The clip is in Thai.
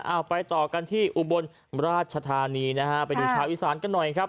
เอาไปต่อกันที่อุบลราชธานีนะฮะไปดูชาวอีสานกันหน่อยครับ